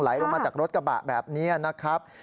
ลงมาจากรถกระบะแบบนี้นะครับ